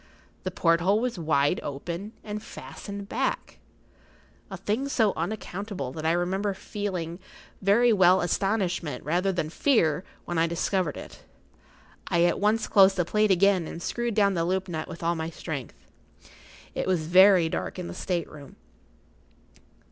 The porthole was wide open and fastened back—a thing so unaccountable that I remember very well feeling astonishment rather than fear when I discovered it. I at once closed the plate again and screwed down the loop nut with all my strength. It was very dark in the state room.